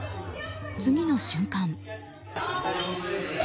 次の瞬間。